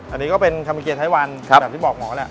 อันนี้ก็เป็นคามิเกียไทยวันแบบที่บอกหมอแหละ